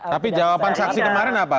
tapi jawaban saksi kemarin apa